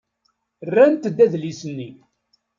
Rrant-d adlis-nni.